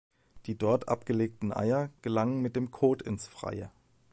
Die dort abgelegten Eier gelangen mit dem Kot ins Freie.